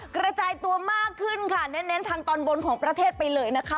กระจายตัวมากขึ้นค่ะเน้นทางตอนบนของประเทศไปเลยนะคะ